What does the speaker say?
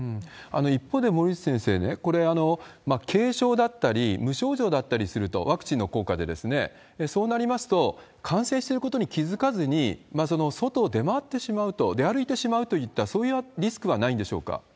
一方で森内先生、これ、軽症だったり、無症状だったりすると、ワクチンの効果でですね、そうなりますと、感染してることに気付かずに外を出回ってしまうと、出歩いてしまうといった、そういったリスクはないんでしょうか？